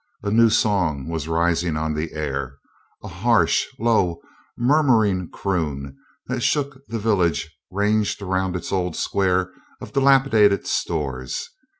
A new song was rising on the air: a harsh, low, murmuring croon that shook the village ranged around its old square of dilapadated stores.